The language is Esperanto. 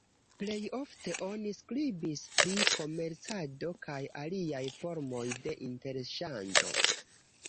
Plej ofte oni skribis pri komercado kaj aliaj formoj de interŝanĝo.